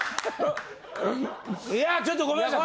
いやちょっとごめんなさい